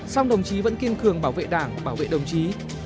song đồng chí vẫn kiên cường bảo vệ đảng bảo vệ đồng chí